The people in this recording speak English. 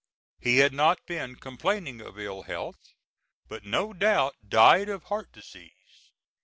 He had not been complaining of ill health, but no doubt died of heart disease.